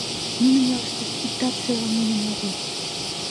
Нунын ялыштышт иктат шӧрым йӱын огыл.